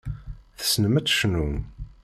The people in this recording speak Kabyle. Tessnem ad tecnum.